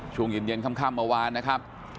ชั่วหญิงเย็นค่ำมาวานนะครับ